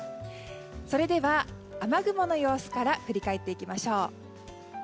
それでは雨雲の様子から振り返っていきましょう。